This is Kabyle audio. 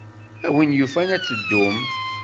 A win yufan ad teddum.